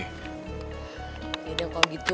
yaudah kalau gitu